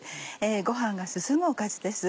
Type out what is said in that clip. ご飯が進むおかずです。